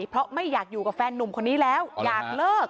เพราะไม่อยากอยู่กับแฟนนุ่มคนนี้แล้วอยากเลิก